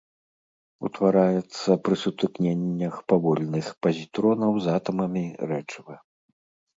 Утвараецца пры сутыкненнях павольных пазітронаў з атамамі рэчыва.